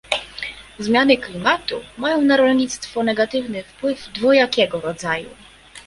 Zmiany klimatu mają na rolnictwo negatywny wpływ dwojakiego rodzaju